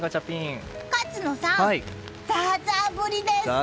勝野さん、ザーザー降りです！